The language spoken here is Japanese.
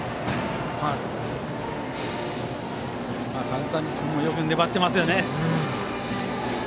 角谷君もよく粘っていますね。